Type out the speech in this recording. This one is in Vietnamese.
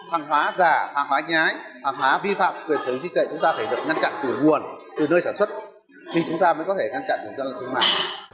hàng hóa giả hàng hóa nhái hàng hóa vi phạm quyền sở hữu chi trị chúng ta phải được ngăn chặn từ nguồn từ nơi sản xuất thì chúng ta mới có thể ngăn chặn ra là thương mại